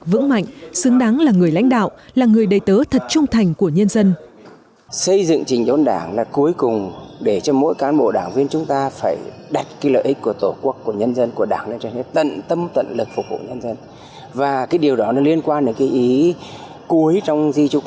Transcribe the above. vững mạnh xứng đáng là người lãnh đạo là người đầy tớ thật trung thành của nhân dân